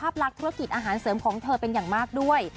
ลักษณ์ธุรกิจอาหารเสริมของเธอเป็นอย่างมากด้วย